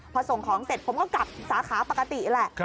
พอส่งของเสร็จผมก็กลับสาขาปกติแหละ